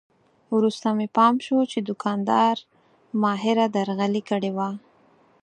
وروسته مې پام شو چې دوکاندار ماهره درغلي کړې وه.